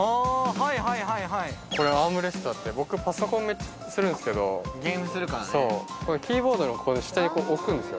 はいはいはいはいこれアームレストだって僕パソコンめっちゃするんすけどゲームするからねキーボードのここの下にこう置くんですよ